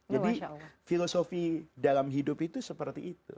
jadi filosofi dalam hidup itu seperti itu